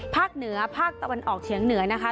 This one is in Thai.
ภาคเหนือภาคตะวันออกเฉียงเหนือนะคะ